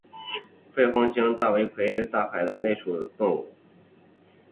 猩红膨大海葵为甲胄海葵科膨大海葵属的动物。